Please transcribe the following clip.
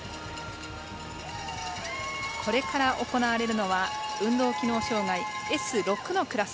これから行われるのは運動機能障がいＳ６のクラス。